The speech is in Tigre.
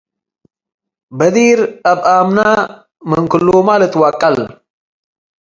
በዲር አብ ኣምነ - ምን ክሉመ ልትወቀል